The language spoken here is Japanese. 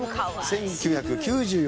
１９９４年。